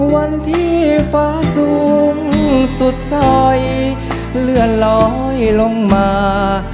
วันที่ฟ้าสูงสุดสอยเลื่อนลอยลงมา